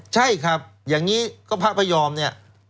ใช่ครับอย่างนี้ก็พระพยอมเนี่ย